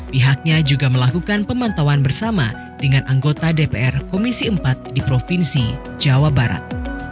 pihaknya juga melakukan pemantauan bersama dengan anggota dpr komisi empat di provinsi jawa barat